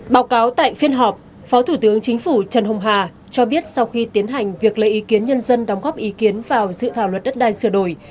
báo cáo tại phiên họp phó thủ tướng chính phủ trần hùng hà cho biết sau khi tiến hành việc lấy ý kiến nhân dân đóng góp ý kiến vào dự thảo luật đất đai sửa đổi